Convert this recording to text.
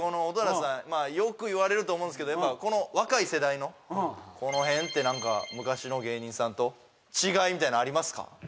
蛍原さんよく言われると思うんですけどこの若い世代のこの辺って何か昔の芸人さんと違いみたいなのありますか？